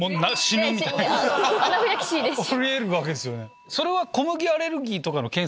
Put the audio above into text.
あり得るわけですよね。